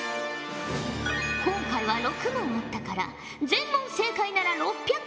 今回は６問あったから全問正解なら６００